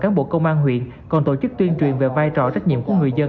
các bộ công an huyện còn tổ chức tuyên truyền về vai trò trách nhiệm của người dân